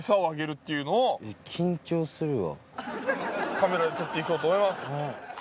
カメラでちょっと行こうと思います。